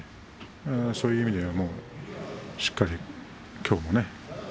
そういう意味ではしっかりときょうもね